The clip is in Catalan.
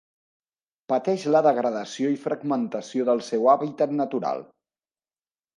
Pateix la degradació i fragmentació del seu hàbitat natural.